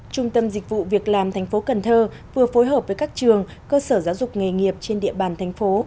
trung tâm dịch vụ việc làm tp cnh vừa phối hợp với các trường cơ sở giáo dục nghề nghiệp trên địa bàn thành phố